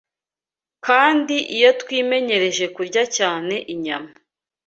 kandi iyo twimenyereje kurya cyane inyama